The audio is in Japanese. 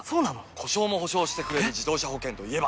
故障も補償してくれる自動車保険といえば？